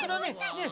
ねえ。